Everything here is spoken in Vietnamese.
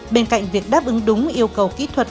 bên cạnh việc đáp ứng đúng yêu cầu kỹ thuật